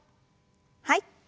はい。